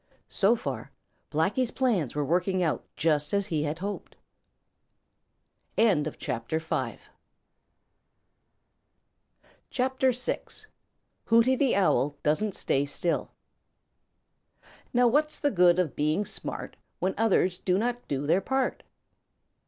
So far Blacky's plans were working out just as he had hoped. CHAPTER VI: Hooty The Owl Doesn't Stay Still Now what's the good of being smart When others do not do their part?